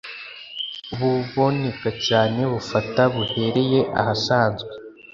ububoneka cyane bufata buhereye ahasanzwe